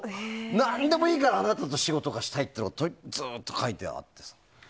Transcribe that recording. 何でもいいからあなたと仕事がしたいってずっと書いてあってさ。